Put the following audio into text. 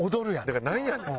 だからなんやねん。